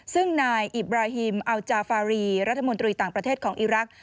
ซึ่งนายอิบราฮิมอัลจาฟารีรัฐมนตรีต่างประเทศของอีรักษ